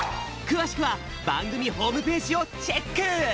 くわしくはばんぐみホームページをチェック！